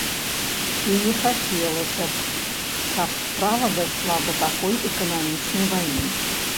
І не хацелася б, каб справа дайшла да такой эканамічнай вайны.